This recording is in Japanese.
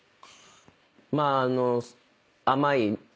まああの。